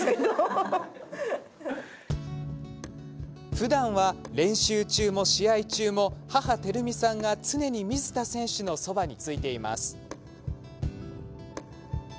ふだんは練習中も試合中も、母・光美さんが常に水田選手のそばについています。